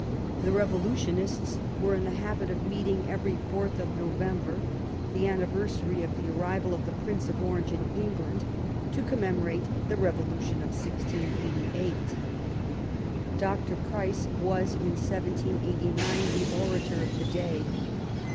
The Revolutionists were in the habit of meeting every 4th of November, the anniversary of the arrival of the Prince of Orange in England, to com memorate the Revolution of 1688. Dr. Price was, in 1789, the orator of the day.